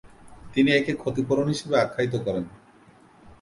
তিনি একে "ক্ষতিপূরণ" হিসেবে আখ্যায়িত করেন।